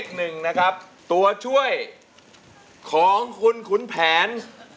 ใครถิดห่วงใจของผม